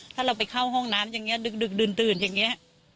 ถ้าเราไปเข้าห้องน้ำอย่างนี้ดึกดื่นอย่างนี้